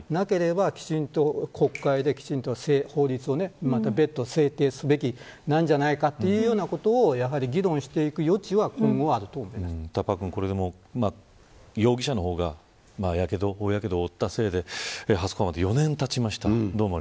なければ、きちんと国会で法律をまた別途制定すべきなんじゃないかというようなことを議論していく余地はパックン、容疑者の方が大やけどを負ったせいで初公判まで４年たちました。